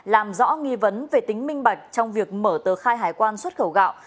làm rõ nghi vấn về tính minh bạch trong việc mở tờ khai hải quan xuất khẩu gạo